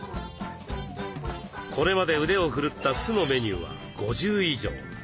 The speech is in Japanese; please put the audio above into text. これまで腕を振るった酢のメニューは５０以上。